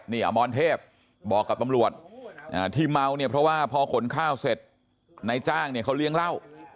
นี่อมรเทพบอกกับตำรวจที่เมาเนี่ยเพราะว่าพอขนข้าวเสร็จนายจ้างเนี่ยเขาเลี้ยงเหล้า